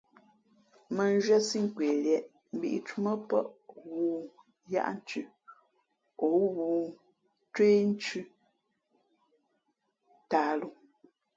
Mᾱ nzhwésí kweliēʼ mbīʼtǔmᾱ pάʼ ghoōyaʼthʉ̄ o ghoōcwéénthʉ tāhlǒ.